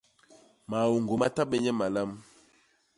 Maôñg ma ta bé nye malam.